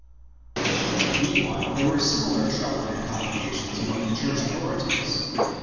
Meanwhile there were similar trouble and complications among the church authorities.